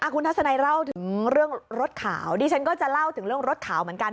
คุณทัศนัยเล่าถึงเรื่องรถขาวดิฉันก็จะเล่าถึงเรื่องรถขาวเหมือนกัน